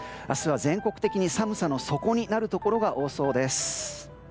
明日は全国的に寒さの底になるところが多そうです。